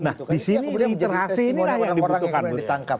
nah di sini literasi inilah yang dibutuhkan